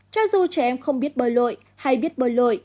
cho dù trẻ em không biết bơi lội hay biết bơi lội